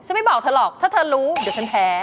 ไม่บอกเธอหรอกถ้าเธอรู้เดี๋ยวฉันแพ้